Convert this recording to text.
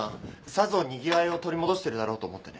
さぞにぎわいを取り戻してるだろうと思ってね。